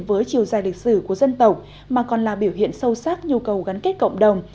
với chiều dài lịch sử của dân tộc mà còn là biểu hiện sâu sắc nhu cầu gắn kết cộng đồng